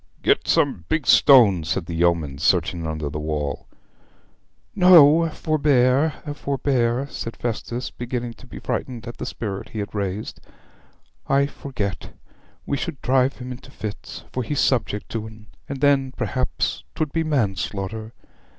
'Get some big stones,' said the yeomen, searching under the wall. 'No; forbear, forbear,' said Festus, beginning to be frightened at the spirit he had raised. 'I forget; we should drive him into fits, for he's subject to 'em, and then perhaps 'twould be manslaughter.